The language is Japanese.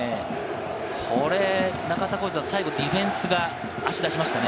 これ中田さん、最後ディフェンスが足を出しましたね。